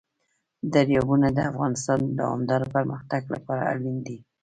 دریابونه د افغانستان د دوامداره پرمختګ لپاره اړین دي.